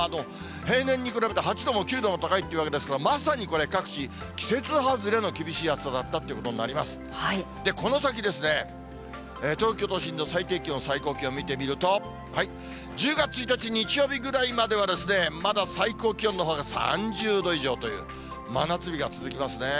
平年に比べて８度も９度も高いってわけですから、まさにこれ、各地、季節外れの厳しい暑さだったってことになります。この先ですね、東京都心の最低気温、最高気温見てみると、１０月１日日曜日ぐらいまでは、まだ最高気温のほうが３０度以上という、真夏日が続きますね。